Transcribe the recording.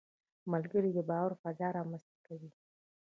ملګری د باور فضا رامنځته کوي